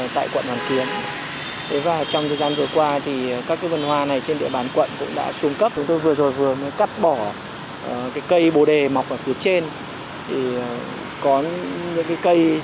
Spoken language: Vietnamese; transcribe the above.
đây là một trong những vườn hoa có giá trị